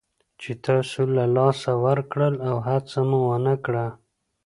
چې تاسو له لاسه ورکړل او هڅه مو ونه کړه.